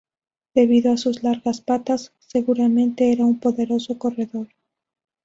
Debido a sus largas patas, seguramente era un poderoso corredor.